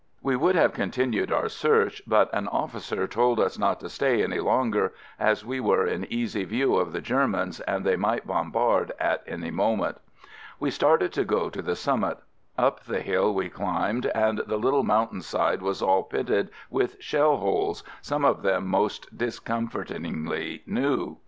We would have continued our search, but an officer told us not to stay any longer, as we were in easy view of the Germans and they might bombard at any moment. We started to go to the summit. Up the hill we climbed and the little mountain side was all pitted with shell holes, — some of them most discomfort ingly new.